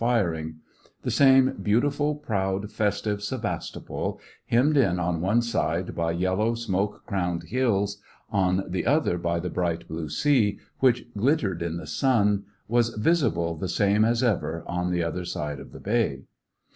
243 firing ; the same beautiful, proud, festive Sevas topol, hemmed in on one side by yellow, smoke crowned hills, on the other by the bright blue sea, which glittered in the sun, was visible the same as ever, on the other side of the bay.